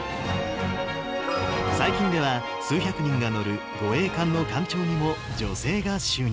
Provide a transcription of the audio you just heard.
最近では、数百人が乗る護衛艦の艦長にも女性が就任。